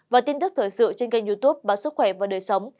và tin tức thời sự trên kênh youtube báo sức khỏe và đời sống